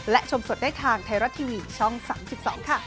สวัสดีครับ